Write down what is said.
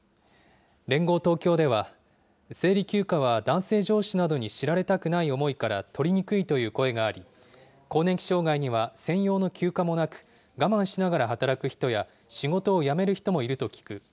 連合東京では、生理休暇は男性上司などに知られたくない思いから取りにくいという声があり、更年期障害には専用の休暇もなく、我慢しながら働く人や、仕事を辞める人もいると聞く。